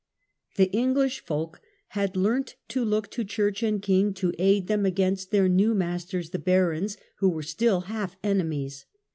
The English folk had learnt to look to church and king to aid them against their new masters the barons, who were still half enemies.